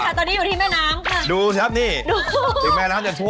หรือที่แม่น้ำ